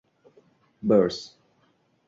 Bers.